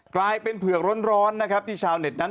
กลายเป็นเผือกร้อนนะครับที่ชาวเน็ตนั้น